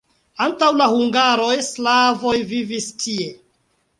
Antaŭ la hungaroj slavoj vivis tie.